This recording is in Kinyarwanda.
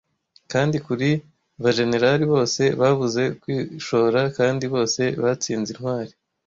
Kandi kuri bajenerali bose babuze kwishora, kandi bose batsinze intwari!